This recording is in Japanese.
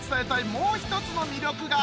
もう一つの魅力が